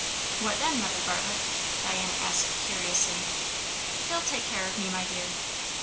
"What then, Mother Bartlett?" Diana asked curiously. "He'll take care of me, my dear."